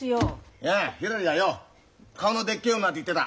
いやひらりがよ顔のでっけえ女って言ってた。